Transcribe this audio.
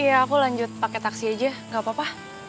iya aku lanjut pake taksi aja gapapa